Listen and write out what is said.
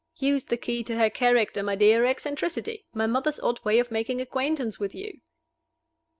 "Use the key to her character, my dear. Eccentricity! My mother's odd way of making acquaintance with you."